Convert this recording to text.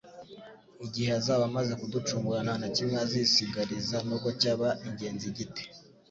Igihe azaba amaze kuducungura, nta na kimwe azisigariza, n'ubwo cyaba ingenzi gite,